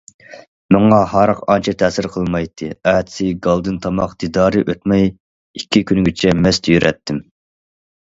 ماڭا ھاراق ئانچە تەسىر قىلالمايتتى، ئەتىسى گالدىن تاماق دىدارى ئۆتمەي ئىككى كۈنگىچە مەست يۈرەتتىم.